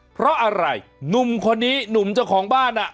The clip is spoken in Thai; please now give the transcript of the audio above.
เพราะอะไรหนุ่มคนนี้หนุ่มเจ้าของบ้านอ่ะ